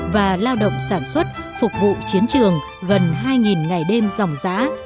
và lao động sản xuất phục vụ chiến trường gần hai ngày đêm dòng giã